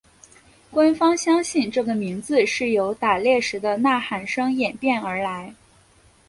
官方相信这个名字是由打猎时的呐喊声演变而来。